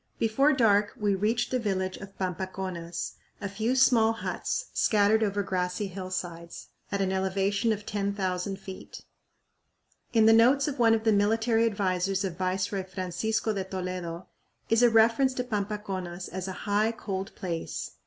Before dark we reached the village of Pampaconas, a few small huts scattered over grassy hillsides, at an elevation of 10,000 feet. In the notes of one of the military advisers of Viceroy Francisco de Toledo is a reference to Pampaconas as a "high, cold place."